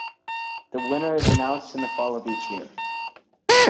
The winner is announced in the fall of each year.